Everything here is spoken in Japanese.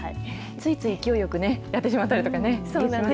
ついつい勢いよくやってしまったりとかね。